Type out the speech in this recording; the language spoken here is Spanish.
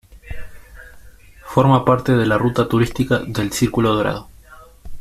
Forma parte de la ruta turística del Círculo Dorado.